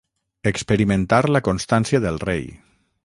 Experimentar la constància del rei.